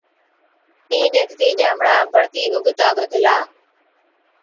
اِين ڏيکتِي ڄامڙا بڙتِي اُگتا بڌلا،